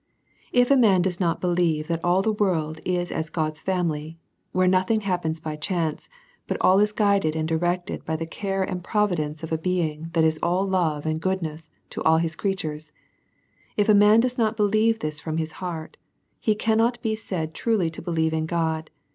If a man does not believe that all the world is as God's family, where nothing happens by chance, but all is guided and directed by the care and providence of a being* that is all love and goodness to all his crea tures ; if a man docs not believe this from his heart, he cannot be said truly to believe in God.